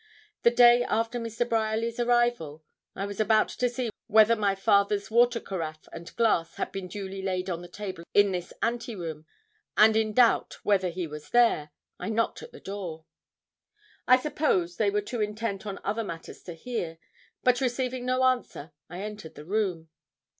The day after Mr. Bryerly's arrival, I was about to see whether my father's water caraffe and glass had been duly laid on the table in this ante room, and in doubt whether he was there, I knocked at the door. I suppose they were too intent on other matters to hear, but receiving no answer, I entered the room.